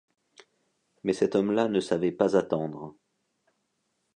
Mais cet homme-là ne savait pas attendre